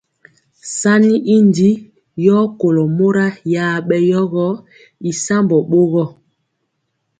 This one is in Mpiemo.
Sanni y ndi yɔ kolo mora ya bɛ yogɔ y sambɔ bɔɔgɔ.